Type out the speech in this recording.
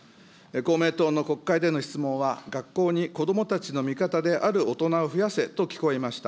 公明党の国会質問は学校に子どもたちの味方である大人を増やせと聞こえました。